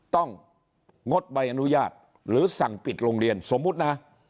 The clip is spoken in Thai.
งดใบอนุญาตหรือสั่งปิดโรงเรียนสมมุตินะ